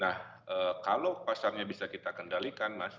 nah kalau pasarnya bisa kita kendalikan mas